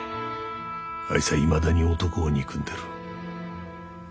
あいつはいまだに男を憎んでる。